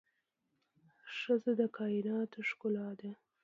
ښځه د کائناتو ښکلا ده